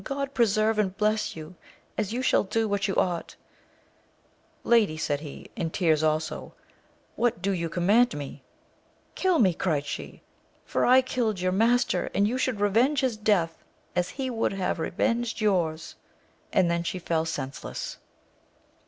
God preserve and bless you, as you shall do what you oaght ! Lady, said he, in tears also, Tvhat do you command me % Eall me ! cried she, for I killed your 10 AMADIS OF GAUL. master, and you should revenge his death, as he would have revenged your's ! And then she fell senseless.